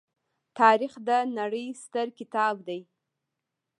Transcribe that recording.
تاریخ د نړۍ ستر کتاب دی.